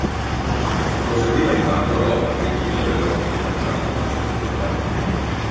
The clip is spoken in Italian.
Proseguiva intanto la lotta per il dominio delle rotte commerciali in corso con Genova.